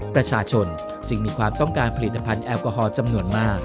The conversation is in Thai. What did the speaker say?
ประชาชนจึงมีความต้องการผลิตภัณฑ์แอลกอฮอลจำนวนมาก